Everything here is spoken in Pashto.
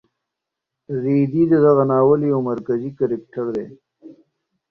رېدی د دغه ناول یو مرکزي کرکټر دی.